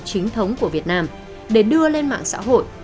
chính thống của việt nam để đưa lên mạng xã hội